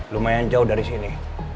lumayan jauh dari sini